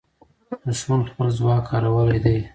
دښمن خپل ځواک کارولی دی.